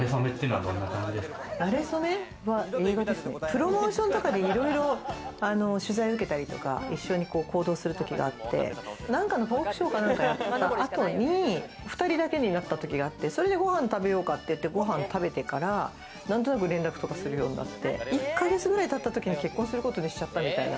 馴れ初めは、プロモーションとかでいろいろ取材を受けたりとか、一緒に行動する時があって、何かのトークショーかなんかの後に２人だけになった時があって、それでご飯食べようかって言って、ご飯食べてから連絡とかするようになって、１ヶ月くらい経ったときに結婚することにしちゃったみたいな。